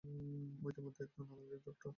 ও তো ইতোমধ্যেই একজন তান্ত্রিক ডাক্তার!